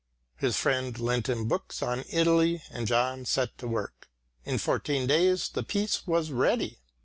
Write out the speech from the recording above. His friend lent him books on Italy and John set to work. In fourteen days the piece was ready.